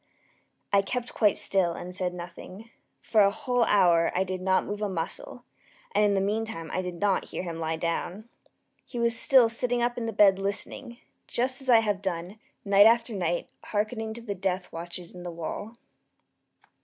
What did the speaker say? I kept quite still and said nothing. For a whole hour I did not move a muscle, and in the meantime I did not hear him lie down. He was still sitting up in the bed listening; just as I have done, night after night, hearkening to the death watches in the wall.